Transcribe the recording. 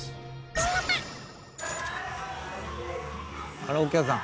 「カラオケ屋さん？」